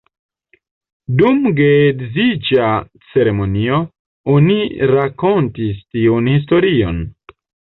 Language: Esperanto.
Dum geedziĝa ceremonio, oni rakontas tiun historion.